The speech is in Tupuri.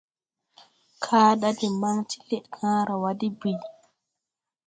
Kããɗa de maŋ ti Lɛʼkããwa de bìi.